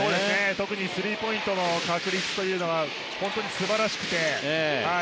特にスリーポイントの確率が本当に素晴らしくて。